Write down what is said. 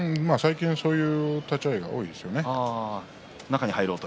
そういう立ち合いが最近多いですね。